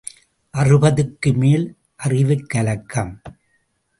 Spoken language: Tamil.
அறுபதுக்கு மேல் அறிவுக் கலக்கம்.